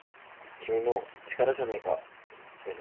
「君の！力じゃないか!!」